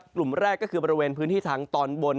กลุ่มแรกก็คือบริเวณพื้นที่ทางตอนบน